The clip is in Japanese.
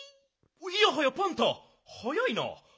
いやはやパンタ早いな。